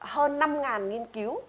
hơn năm nghiên cứu